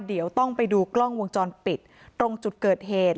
เดี๋ยวต้องไปดูกล้องวงจรปิดตรงจุดเกิดเหตุ